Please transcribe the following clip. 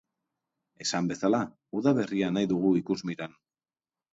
Esan bezala, udaberria nahi dugu ikusmiran.